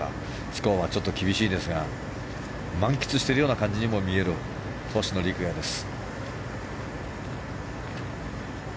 スコアはちょっと厳しいですが満喫しているような感じにも見える、星野陸也です。